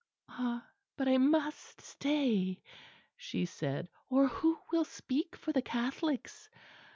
"Ah! but I must stay," she said, "or who will speak for the Catholics?